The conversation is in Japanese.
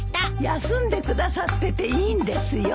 休んでくださってていいんですよ。